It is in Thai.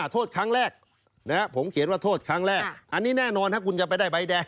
โทษครั้งแรกผมเขียนว่าโทษครั้งแรกอันนี้แน่นอนถ้าคุณจะไปได้ใบแดง